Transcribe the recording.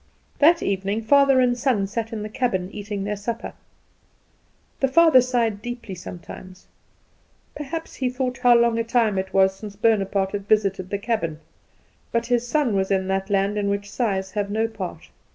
That evening father and son sat in the cabin eating their supper. The father sighed deeply sometimes. Perhaps he thought how long a time it was since Bonaparte had visited the cabin; but his son was in that land in which sighs have no part.